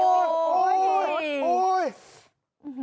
โอ๊ยโอ๊ย